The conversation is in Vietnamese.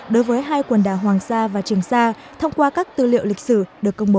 đối với hai quần đảo hoàng sa và trường sa thông qua các tư liệu lịch sử được công bố